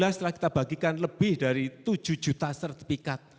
dua ribu delapan belas setelah kita bagikan lebih dari tujuh juta sertifikat